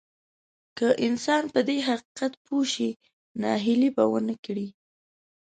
که انسان په دې حقيقت پوه شي ناهيلي به ونه کړي.